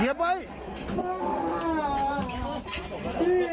เหยียบไว้